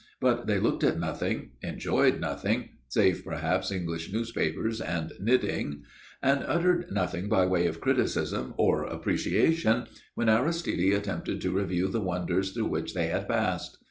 But they looked at nothing, enjoyed nothing (save perhaps English newspapers and knitting), and uttered nothing by way of criticism or appreciation when Aristide attempted to review the wonders through which they had passed.